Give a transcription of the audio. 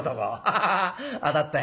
ハハハハ当たったい」。